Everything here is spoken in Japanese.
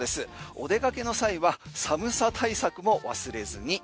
お出かけの際は寒さ対策も忘れずに。